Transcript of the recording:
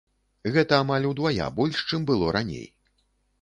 Гэта амаль удвая больш, чым было раней.